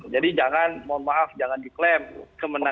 jadi jangan mohon maaf jangan diklaim kemenangan